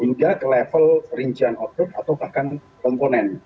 hingga ke level rincian output atau bahkan komponen